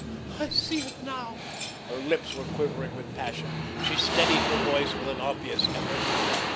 "I see it now!" Her lips were quivering with passion. She steadied her voice with an obvious effort.